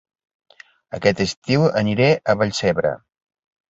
Aquest estiu aniré a Vallcebre